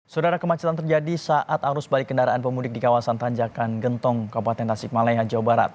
saudara kemacetan terjadi saat arus balik kendaraan pemudik di kawasan tanjakan gentong kabupaten tasik malaya jawa barat